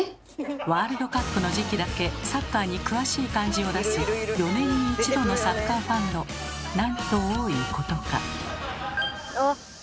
ワールドカップの時期だけサッカーに詳しい感じを出す４年に１度のサッカーファンのなんと多いことか。